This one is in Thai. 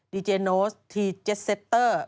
ดีเจโนสทีเจสเซตเตอร์